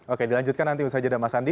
oke dilanjutkan nanti usai jeda mas aldi